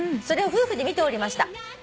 「それを夫婦で見ておりました」